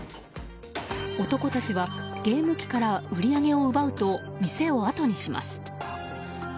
男たちは、ゲーム機から売り上げを奪うと店をあとにします。